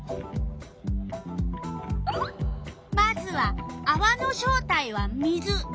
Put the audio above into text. まずは「あわの正体は水」。